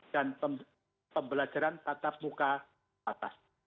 dan pembelajaran tatap muka terbatas